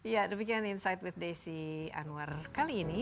ya demikian insight with desi anwar kali ini